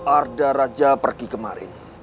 arda raja pergi kemarin